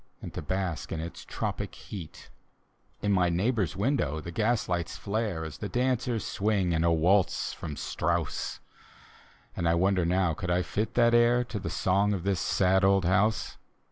And to bask in its tropic heat. D,gt,, erihyGOOgle 126 The Haunted Hour In my neighbor's windows the ga« lights flare As the dancers swing in a waltz from Strauss; And I wonder now could I fit that air To the song of this sad old house.